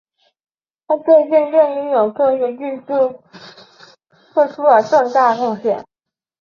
他对竞技游泳科学技术做出了重大贡献。